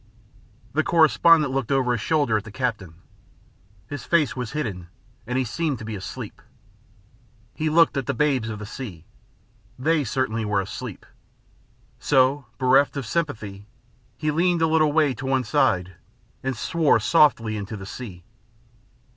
The correspondent looked over his shoulder at the captain. His face was hidden, and he seemed to be asleep. He looked at the babes of the sea. They certainly were asleep. So, being bereft of sympathy, he leaned a little way to one side and swore softly into the sea.